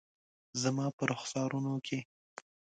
زما په رخسارونو کې